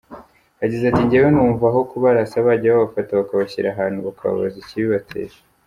Yagize ati: “ Njyewe numva aho kubarasa bajya babafata bakabashyira ahantu bakababaza ikibibatera.